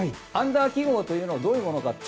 アンダー記号というのはどういうものか。